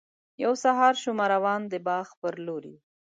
یو سهار شومه روان د باغ پر لوري.